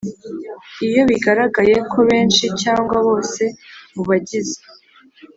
Iyo bigaragaye ko benshi cyangwa bose mu bagize